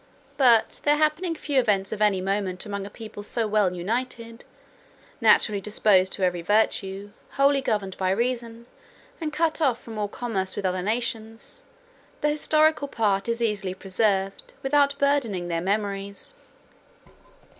But there happening few events of any moment among a people so well united, naturally disposed to every virtue, wholly governed by reason, and cut off from all commerce with other nations, the historical part is easily preserved without burdening their memories.